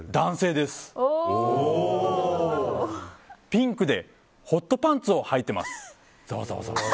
ピンクでホットパンツをはいてます。